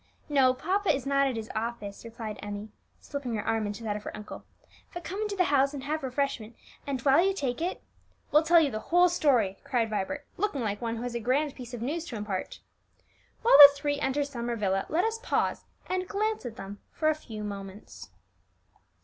"No; papa is not at his office," replied Emmie, slipping her arm into that of her uncle. "But come into the house and have refreshment, and while you take it " "We'll tell you the whole story," cried Vibert, looking like one who has a grand piece of news to impart. While the three enter Summer Villa, let us pause and glance at them for a few moments.